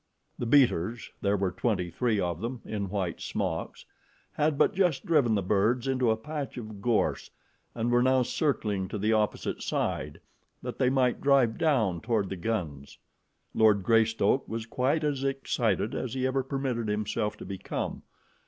The beaters there were twenty three of them, in white smocks had but just driven the birds into a patch of gorse, and were now circling to the opposite side that they might drive down toward the guns. Lord Greystoke was quite as excited as he ever permitted himself to become.